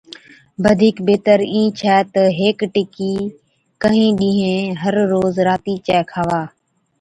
بڌِيڪ بِهتر اِين ڇَي تہ هيڪ ٽِڪِي ڪهِين ڏِينهين هر روز راتِي چَي کاوا۔